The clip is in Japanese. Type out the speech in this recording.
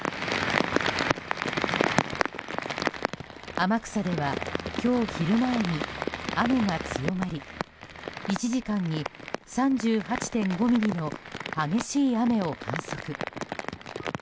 天草では今日昼前に雨が強まり１時間に３８．５ミリの激しい雨を観測。